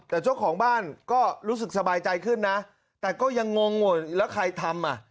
แต่เจ้าของบ้านก็รู้สึกสบายใจขึ้นนะแต่ก็ยังงงว่าแล้วใครทำอ่ะ